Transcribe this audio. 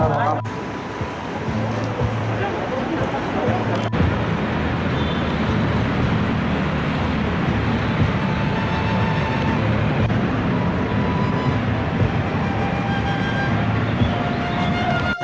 oke ada apa